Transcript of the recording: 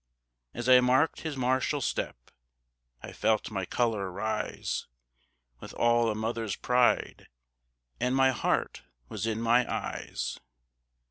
As I marked his martial step I felt my color rise With all a mother's pride, And my heart was in my eyes.